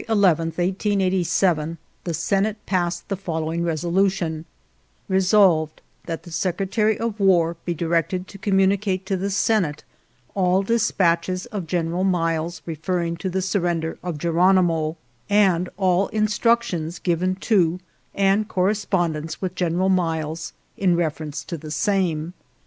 147 CHAPTER XVIII SURRENDER OF GERONIMO ON February 11, 1887, the Senate passed the following resolution: " Resolved, That the Secretary of War be directed to communicate to the Senate all dispatches of General Miles referring* to the surrender of Geronimo, and all instruc tions given to and correspondence with Gen eral Miles in reference to the same."